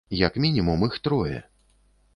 Як мінімум іх трое.